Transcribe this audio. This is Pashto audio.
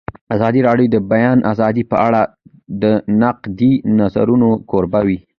ازادي راډیو د د بیان آزادي په اړه د نقدي نظرونو کوربه وه.